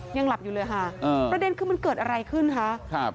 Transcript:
ยังหลับอยู่เลยค่ะประเด็นคือมันเกิดอะไรขึ้นคะครับ